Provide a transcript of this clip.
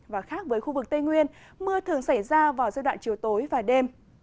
và khác với khu vực tây nguyên mưa thường xảy ra vào giai đoạn chiều tối và đêm